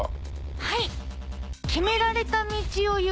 はい。